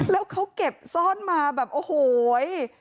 แล้วเขาเก็บซ่อนมาแบบโอ้โห